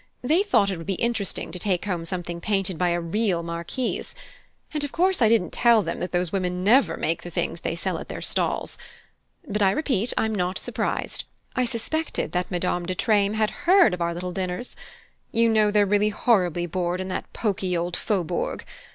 They thought it would be interesting to take home something painted by a real Marquise, and of course I didn't tell them that those women never make the things they sell at their stalls. But I repeat I'm not surprised: I suspected that Madame de Treymes had heard of our little dinners. You know they're really horribly bored in that poky old Faubourg.